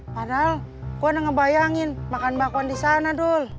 padahal gua udah ngebayangin makan bakwan disana dul